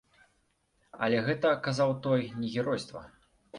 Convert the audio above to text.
Але гэта, казаў той, не геройства.